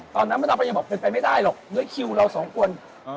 ตอนนั้นมันยังบอกเป็นไปไม่ได้หรอกด้วยคิวเราสองคน